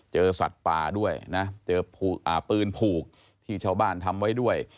สัตว์ป่าด้วยนะเจอปืนผูกที่ชาวบ้านทำไว้ด้วย